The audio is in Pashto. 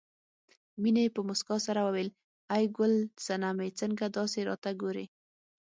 مينې په مسکا سره وویل ای ګل سنمې څنګه داسې راته ګورې